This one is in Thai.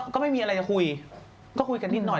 ก็ไม่มีอะไรจะคุยก็คุยกันนิดหน่อย